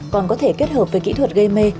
còn có thể kết hợp với kỹ thuật gây mê